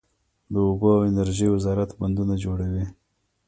د اوبو او انرژۍ وزارت بندونه جوړوي؟